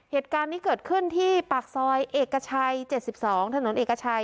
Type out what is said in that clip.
เหตุการณ์นี้เกิดขึ้นที่ปากซอยเอกชัย๗๒ถนนเอกชัย